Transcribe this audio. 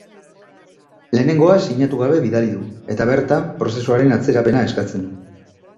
Lehenengoa sinatu gabe bidali du eta bertan, prozesuaren atzerapena eskatzen du.